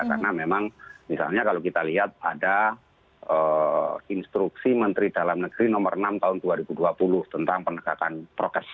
karena memang misalnya kalau kita lihat ada instruksi menteri dalam negeri nomor enam tahun dua ribu dua puluh tentang penegakan progres